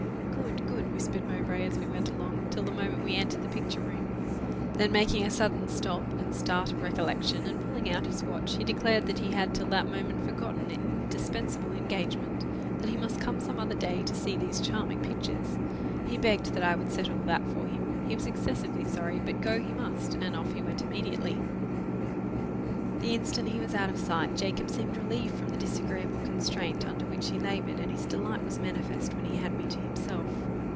"Good! Good!" whispered Mowbray, as we went along, till the moment we entered the picture room; then making a sudden stop, and start of recollection, and pulling out his watch, he declared that he had till that minute forgotten an indispensable engagement that he must come some other day to see these charming pictures. He begged that I would settle that for him he was excessively sorry, but go he must and off he went immediately. The instant he was out of sight, Jacob seemed relieved from the disagreeable constraint under which he laboured, and his delight was manifest when he had me to himself.